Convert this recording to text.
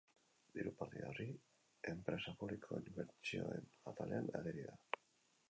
Diru partida hori enpresa publikoen inbertsioen atalean ageri da.